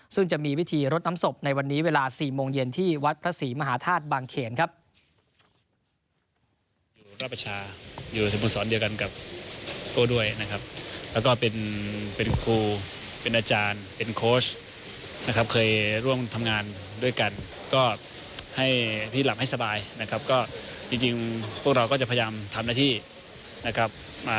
ซึ่งจะมีพิธีรดน้ำศพในวันนี้เวลา๔โมงเย็นที่วัดพระศรีมหาธาตุบางเขนครับ